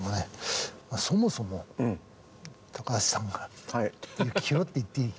そもそも高橋さんが幸宏って言っていい？